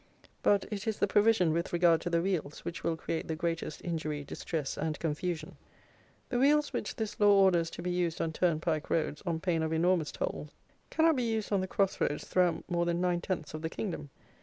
But it is the provision with regard to the wheels which will create the greatest injury, distress and confusion. The wheels which this law orders to be used on turnpike roads, on pain of enormous toll, cannot be used on the cross roads throughout more than nine tenths of the kingdom.